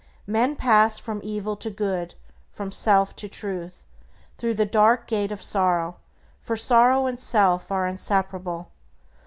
Men pass from evil to good, from self to Truth, through the dark gate of sorrow, for sorrow and self are inseparable.